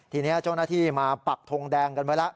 ทีนี้เจ้าหน้าที่มาปักทงแดงกันไว้แล้ว